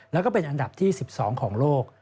แล้วก็เป็นอันดับที่๑๒ของโลก